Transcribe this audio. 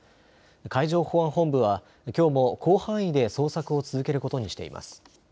海上保安本部はきょうも広範囲で捜索を続けることにしています。